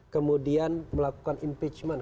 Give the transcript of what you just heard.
kemudian melakukan impeachment